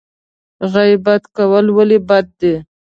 غیبت کول ولې بد دي؟